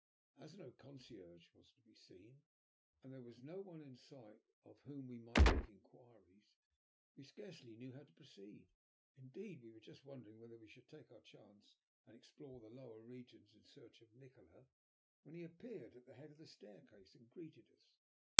As no concierge was to be seen, and there was no one in sight of whom we might make inquiries, we scarcely knew how to proceed. Indeed, we were just wondering whether we should take our chance and explore the lower regions in search of Nikola, when he appeared at the head of the staircase and greeted us.